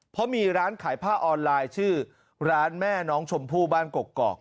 เพราะมีร้านขายผ้าออนไลน์ชื่อร้านแม่น้องชมพู่บ้านกกอก